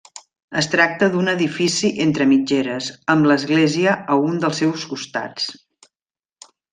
Es tracta d'un edifici entre mitgeres, amb l'església a un dels seus costats.